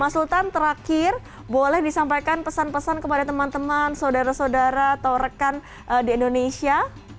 mas sultan terakhir boleh disampaikan pesan pesan kepada teman teman saudara saudara atau rekan di indonesia